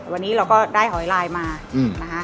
วันนี้เราก็ได้หอยลายมานะคะ